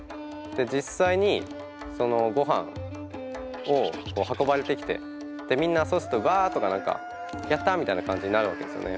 実際にごはんを運ばれてきてみんなそうするとわーとか何かやった！みたいな感じになるわけですよね。